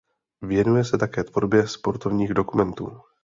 Věnuje se také tvorbě sportovních dokumentů.